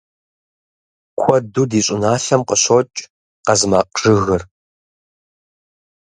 Куэду ди щӏыналъэм къыщокӏ къазмакъжыгыр.